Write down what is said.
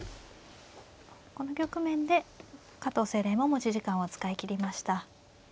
この局面で加藤清麗も持ち時間を使い切りました。